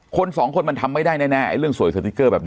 คนสองคนมันทำไม่ได้แน่เรื่องสวยสติ๊กเกอร์แบบนี้